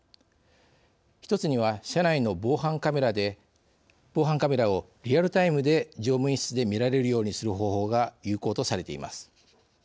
一つには、車内の防犯カメラをリアルタイムで乗務員室で見られるようにする方法が有効とされています。